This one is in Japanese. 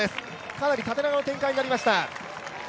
かなり縦長の展開になりました。